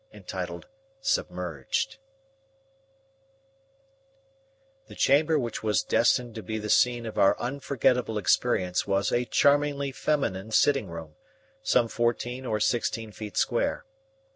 Chapter III SUBMERGED The chamber which was destined to be the scene of our unforgettable experience was a charmingly feminine sitting room, some fourteen or sixteen feet square.